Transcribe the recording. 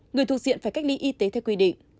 người thuộc diện phải cách ly y tế theo quy định